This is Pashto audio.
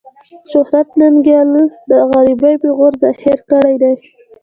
شهرت ننګيال د غريبۍ پېغور زهير کړی دی.